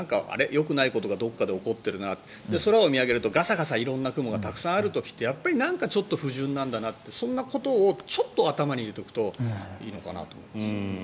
よくないことがどこかで起こってるな空を見上げるとガサガサ、色んな雲がたくさんある時ってなんかちょっと不順なんだなってそんなことをちょっと頭に入れておくといいのかなと思います。